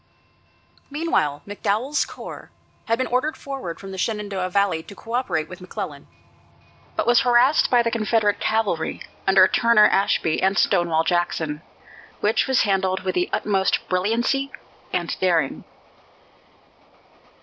Meanwhile, McDowell's corps had been ordered forward from the Shenandoah valley to coöperate with McClellan, but was harassed by the Confederate cavalry under Turner Ashby and Stonewall Jackson, which was handled with the utmost brilliancy and daring.